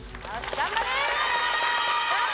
頑張れ！